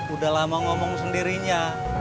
udah lama ngomong sendirinya